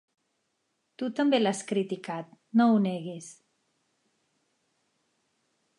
Tu també l'has criticat, no ho neguis.